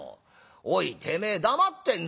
おいてめえ黙ってんのか」。